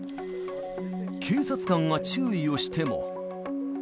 警察官が注意をしても。